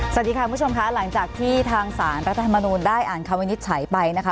สวัสดีค่ะคุณผู้ชมค่ะหลังจากที่ทางสารรัฐธรรมนูลได้อ่านคำวินิจฉัยไปนะคะ